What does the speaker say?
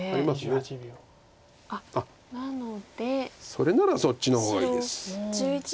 それならそっちの方がいいです。